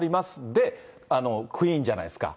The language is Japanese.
で、クイーンじゃないですか。